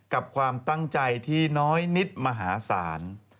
กับความตั้งใจที่น้อยนิดมหาศาล